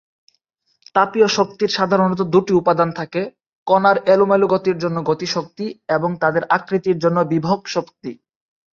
তাপীয় শক্তির সাধারণত দুটি উপাদান থাকে: কণার এলোমেলো গতির জন্য গতিশক্তি এবং তাদের আকৃতির জন্য বিভবশক্তি।